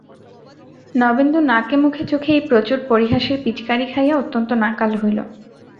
নবেন্দু নাকে মুখে চোখে এই প্রচুর পরিহাসের পিচকারি খাইয়া অত্যন্ত নাকাল হইল।